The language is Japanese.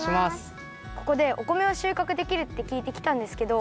ここでお米をしゅうかくできるってきいてきたんですけど。